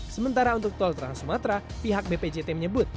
sementara untuk tol trans sumatera pihak bpjt menyebut